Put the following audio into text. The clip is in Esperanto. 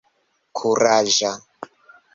kuraĝa